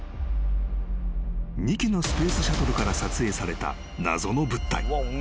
［２機のスペースシャトルから撮影された謎の物体。